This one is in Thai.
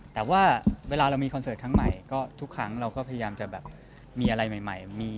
แต่ว่าเวลาเรามีคอนเสิร์ตครั้งใหม่ก็ทุกครั้งเราก็พยายามจะแบบมีอะไรใหม่